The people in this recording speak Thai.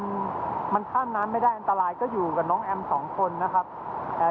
นี่ประมาณสักนึงกิโลนะครับแต่ว่ามันไม่ได้แล้วก็อยู่กันน้องแอมสองคนนะครับ